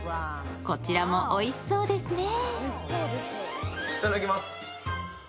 こちらもおいしそうですね。